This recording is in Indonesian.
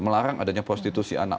melarang adanya prostitusi anak